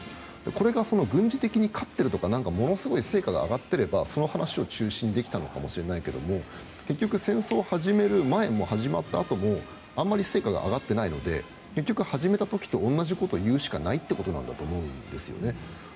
これが軍事的に勝っているとかものすごく成果が上がっていればその話を中心にできたのかもしれないけど結局、戦争を始める前も始まったあともあまり成果が上がっていないので始めた時と同じことを言うしかないんだと思います。